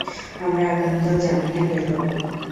আমরা আগামীকাল জামিনে বের হব।